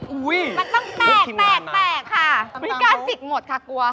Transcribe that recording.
อุ๊ยมันต้องแตกค่ะมีกาสิกหมดค่ะกลัว